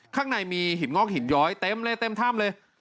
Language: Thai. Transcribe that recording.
ข้างในมีหินงอกหินย้อยเต็มเลยเต็มถ้ำเลย